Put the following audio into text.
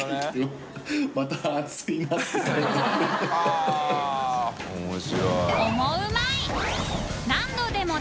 ◆舛面白い。